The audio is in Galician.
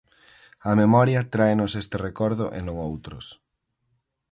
A memoria tráenos este recordo e non outros.